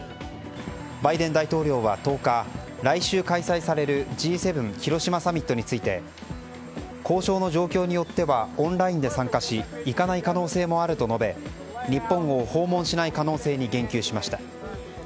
バイデン大統領は１０日来週開催されるＧ７広島サミットについて交渉の状況によってはオンラインで参加し行かない可能性もあると述べ日本を訪問しない可能性に言及しました。